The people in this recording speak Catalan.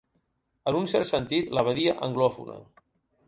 En un cert sentit, la badia anglòfona.